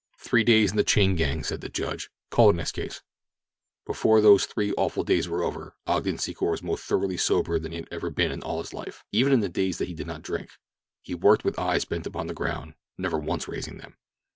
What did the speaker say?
"Three days in the chain gang," said the judge. "Call the next case." Before those three awful days were over, Ogden Secor was more thoroughly sober than ever he had been in all his life—even in the days that he did not drink. He worked with eyes bent upon the ground, never once raising them.